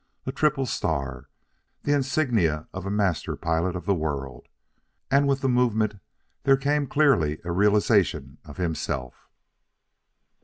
A triple star: the insignia of a Master Pilot of the World! and with the movement there came clearly a realization of himself.